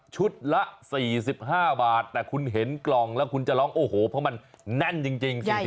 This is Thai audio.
ละ๔๕บาทแต่คุณเห็นกล่องแล้วคุณจะร้องโอ้โหเพราะมันแน่นจริง